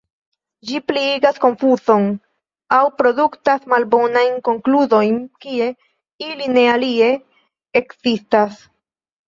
Ĝi pliigas konfuzon aŭ produktas malbonajn konkludojn kie ili ne alie ekzistas.